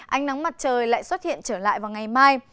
ánh nắng mặt trời lại xuất hiện trở lại vào ngày mai